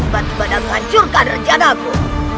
bantu bantu menghancurkan rencanaku